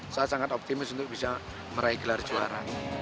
saya sangat optimis untuk bisa meraih gelar juara